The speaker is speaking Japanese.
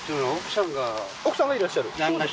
奥さんがいらっしゃる？